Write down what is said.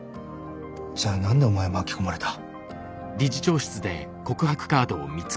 じゃあ何でお前は巻き込まれた？